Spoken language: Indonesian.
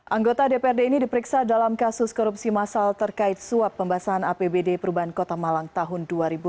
anggota dprd ini diperiksa dalam kasus korupsi masal terkait suap pembahasan apbd perubahan kota malang tahun dua ribu enam belas